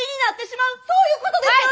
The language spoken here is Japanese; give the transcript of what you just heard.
そういうことですよね